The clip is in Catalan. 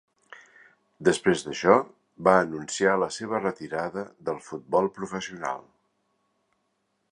Després d'això, va anunciar la seva retirada del futbol professional.